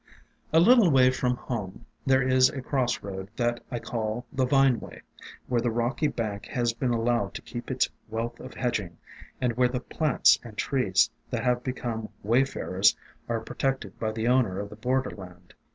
A little way from home there is a crossroad that I call the Vine Way, where the rocky bank has been allowed to keep its wealth of hedging, and 306 THE DRAPERY OF VINES where the plants and trees that have become way farers are protected by the owner of the border land.